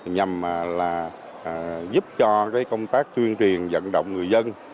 nhằm giúp cho công tác chuyên truyền dẫn động người dân